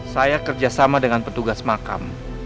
saya kerjasama dengan petugas makam